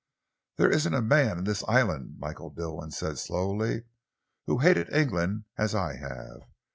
"There isn't a man in this island," Michael Dilwyn said slowly, "who has hated England as I have.